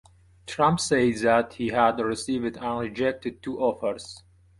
Trump said that he had received and rejected two offers.